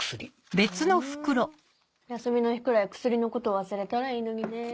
休みの日くらい薬のこと忘れたらいいのにね。